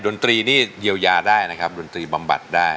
ดนตรีนี่เยียวยาได้นะครับดนตรีบำบัดได้